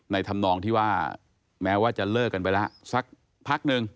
ธรรมนองที่ว่าแม้ว่าจะเลิกกันไปแล้วสักพักนึง